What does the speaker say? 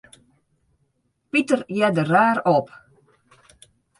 Piter hearde raar op.